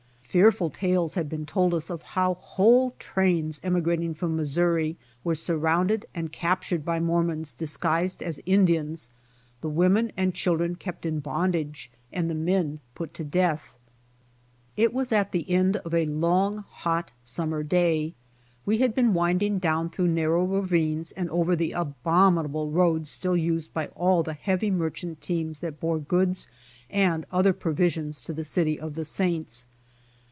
Fearful tales had been told us of how whole trains emigrating from Missouri were sur rounded and captured by Mormons disguised as Indians, the women and children kept in bondage, and the men put to death. It was at the end of a long, hot summer day. LETTERS FROM HOME 101 We had been winding down through narrow ravines and over the abominable roads still used by all the heavy merchant teams that bore goods and other pro visions to the City of the Saints.